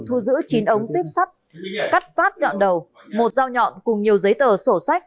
thu giữ chín ống tuyếp sắt cắt phát đoạn đầu một dao nhọn cùng nhiều giấy tờ sổ sách